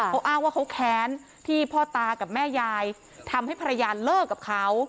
เขาอ้างว่าเขาแค้นที่พ่อตากับแม่ยายทำให้ภรรยาเลิกกับเขา